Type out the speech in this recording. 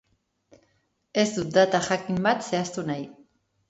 Ez dut data jakin bat zehaztu nahi.